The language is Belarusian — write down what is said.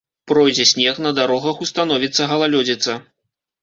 Пройдзе снег, на дарогах установіцца галалёдзіца.